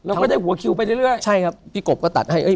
แล้วก็ได้หัวคิวไปเรื่อยเรื่อยใช่ครับพี่กบก็ตัดให้เอ้ย